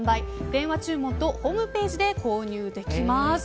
電話注文とホームページで購入できます。